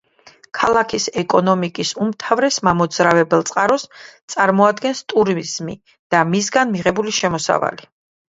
ქალაქის ეკონომიკის უმთავრეს მამოძრავებელ წყაროს წარმოადგენს ტურიზმი და მისგან მიღებული შემოსავალი.